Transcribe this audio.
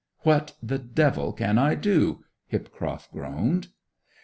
'What the devil can I do!' Hipcroft groaned.